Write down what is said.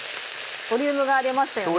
ボリュームが出ましたよね。